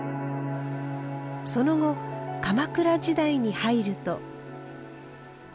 その後鎌倉時代に入ると。